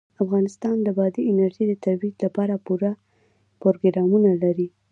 افغانستان د بادي انرژي د ترویج لپاره پوره پروګرامونه لري.